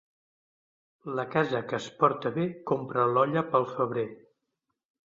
La casa que es porta bé compra l'olla pel febrer.